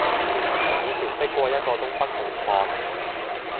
以前識過一個東北同學